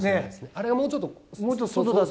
あれがもうちょっと。